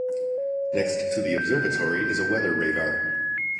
Next to the observatory is a weather radar.